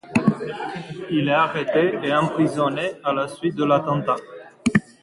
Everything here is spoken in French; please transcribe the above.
Il est arrêté et emprisonné à la suite de l’attentat.